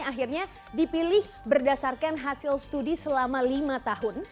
akhirnya dipilih berdasarkan hasil studi selama lima tahun